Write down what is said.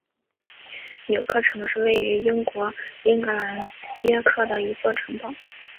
约克城是位于英国英格兰约克的一座城堡。